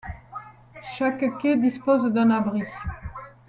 Chaque quai dispose d'un abri.